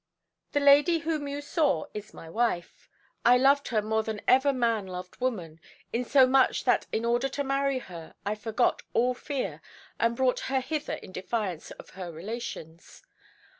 The lady whom you saw is my wife; I loved her more than ever man loved woman, insomuch that in order to marry her I forgot all fear, and brought her hither in defiance of her relations.